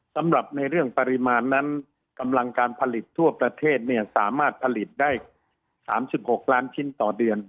สำหรับในเรื่องปริมาณนั้นกำลังการผลิตทั่วประเทศเนี่ยสามารถผลิตได้๓๖ล้านชิ้นต่อเดือน